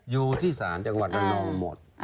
อยู่ที่ศาลจังหวัดละนองหมด